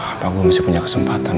apa gue mesti punya kesempatan